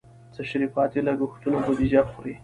تشریفاتي لګښتونه بودیجه خوري.